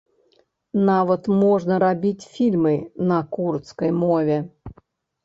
Нават можна рабіць фільмы на курдскай мове.